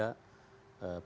pemimpin yang bekerja